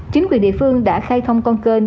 chính quyền địa phương đã khai thông con cơn